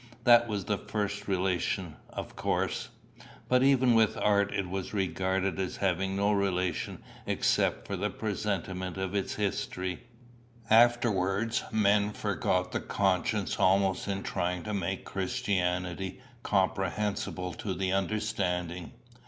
That was the first relation, of course. But even with art it was regarded as having no relation except for the presentment of its history. Afterwards, men forgot the conscience almost in trying to make Christianity comprehensible to the understanding.